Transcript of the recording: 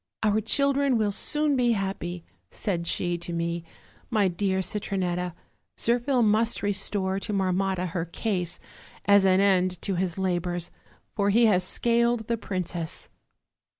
'Our children will soon be happy,' said she to me, 'my dear Citronetta; Zirphil must restore to Mar motta her case, as an end to his labors, for he has scaled the princess.'